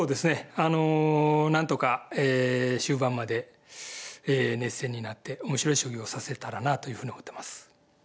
あの何とか終盤まで熱戦になって面白い将棋を指せたらなというふうに思ってます。